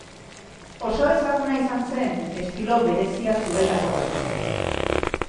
Oso ezaguna izan zen estilo berezia zuelako, batez ere.